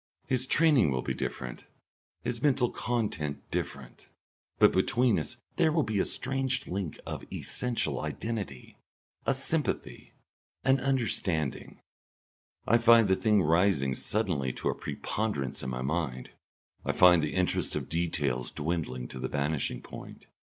His training will be different, his mental content different. But between us there will be a strange link of essential identity, a sympathy, an understanding. I find the thing rising suddenly to a preponderance in my mind. I find the interest of details dwindling to the vanishing point.